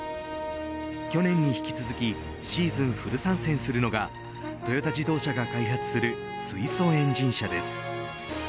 去年に引き続きシーズンフル参戦するのがトヨタ自動車が開発する水素エンジン車です。